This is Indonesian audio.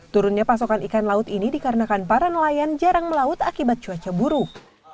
turunnya pasokan ikan laut ini dikarenakan para nelayan jarang melaut akibat cuaca buruk